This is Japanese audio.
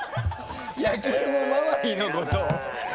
焼き芋周りのことを。